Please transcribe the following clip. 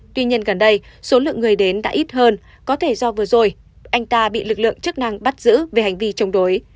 tuy nhiên gần đây số lượng người đến đã ít hơn có thể do vừa rồi anh ta bị lực lượng chức năng bắt giữ về hành vi chống đối